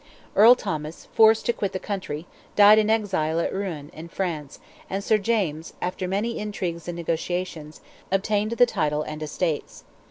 Earl Thomas, forced to quit the country, died an exile at Rouen, in France, and Sir James, after many intrigues and negotiations, obtained the title and estates.